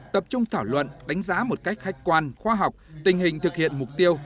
tập trung thảo luận đánh giá một cách khách quan khoa học tình hình thực hiện mục tiêu